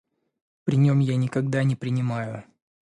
При нем я никогда не принимаю.